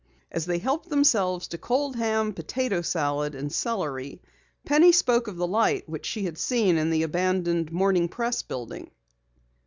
As they helped themselves to cold ham, potato salad, and celery, Penny spoke of the light which she had seen in the abandoned Morning Press building.